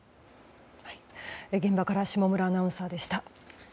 現場から下村アナウンサーでした。